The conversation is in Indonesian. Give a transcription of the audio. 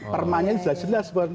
permanya jelas jelas pun